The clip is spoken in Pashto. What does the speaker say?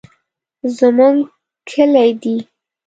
زمونږ کلي دي.